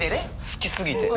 好きすぎて！